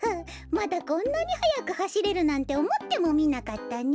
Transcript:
まだこんなにはやくはしれるなんておもってもみなかったね。